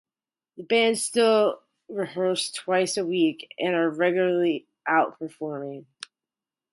The band still rehearse twice a week and are regularly out performing.